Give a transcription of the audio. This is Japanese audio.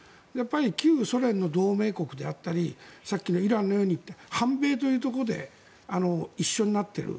旧ソ連の同盟国であったりさっきのイランのように反米というところで一緒になっている。